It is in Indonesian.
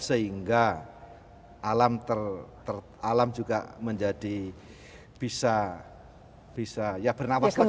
sehingga alam juga menjadi bisa bernama sega